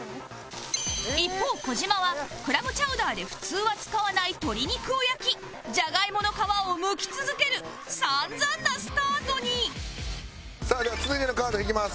一方児嶋はクラムチャウダーで普通は使わない鶏肉を焼きジャガイモの皮をむき続ける散々なスタートにでは続いてのカード引きます。